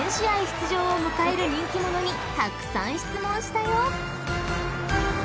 出場を迎える人気者にたくさん質問したよ］